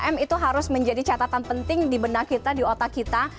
tiga m itu harus menjadi catatan penting di benak kita di otak kita